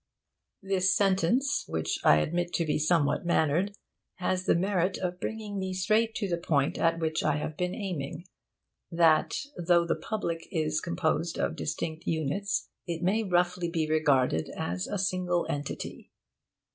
This sentence, which I admit to be somewhat mannered, has the merit of bringing me straight to the point at which I have been aiming; that, though the public is composed of distinct units, it may roughly be regarded as a single entity.